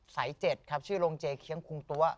สายเจ็ดชื่อลงเจเคียงคุงตัว